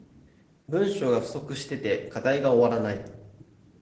文章が不足してて課題が終わらない